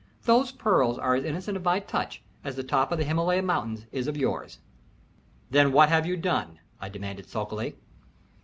"Those pearls are as innocent of my touch as the top of the Himalaya Mountains is of yours." "Then what have you done?" I demanded, sulkily.